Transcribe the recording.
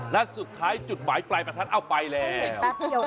นัดสุดท้ายจุดหมายประถัดเอาไปแล้ว